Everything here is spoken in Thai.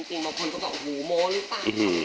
แต่งมาคนก็บอกหูโมลหรือเปล่า